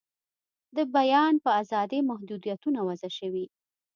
د بیان په آزادۍ محدویتونه وضع شوي.